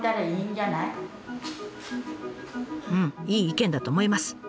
うんいい意見だと思います。